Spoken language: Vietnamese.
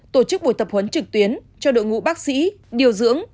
tổ chức buổi tập huấn trực tuyến cho đội ngũ bác sĩ điều dưỡng